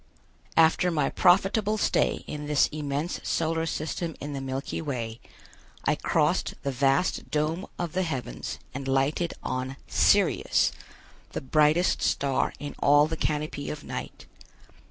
After my profitable stay in this immense solar system in the Milky Way, I crossed the vast dome of the heavens and lighted on Sirius, the brightest star in all the canopy of night.